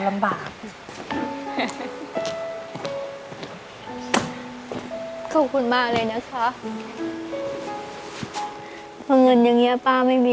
เมื่อเงินอย่างเนี้ยป้าไม่มี